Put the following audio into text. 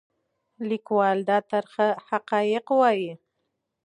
لیکوال دا ترخه حقایق وایي.